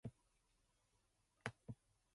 There was again a long silence.